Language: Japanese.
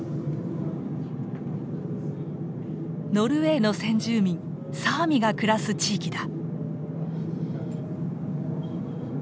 ノルウェーの先住民サーミが暮らす地域だ。